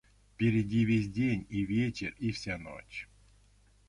Впереди весь день, и вечер, и вся ночь...